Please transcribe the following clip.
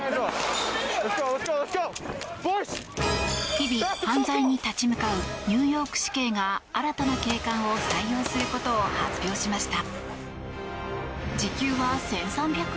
日々、犯罪に立ち向かうニューヨーク市警が新たな警官を採用することを発表しました。